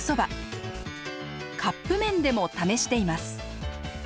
カップ麺でも試しています。